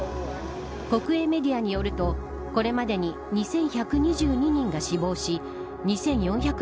国営メディアによるとこれまでに２１２２人が死亡し２４００